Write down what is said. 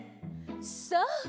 そう！